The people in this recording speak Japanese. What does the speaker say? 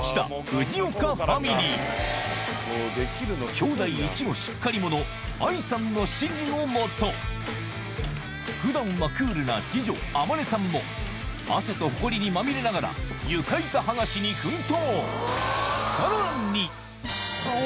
きょうだいいちのしっかり者愛さんの指示の下普段はクールな二女天音さんも汗とホコリにまみれながら床板はがしに奮闘